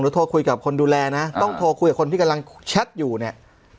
โทรคุยกับคนดูแลนะต้องโทรคุยกับคนที่กำลังแชทอยู่เนี่ย